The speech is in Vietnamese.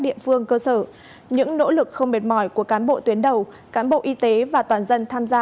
địa phương cơ sở những nỗ lực không mệt mỏi của cán bộ tuyến đầu cán bộ y tế và toàn dân tham gia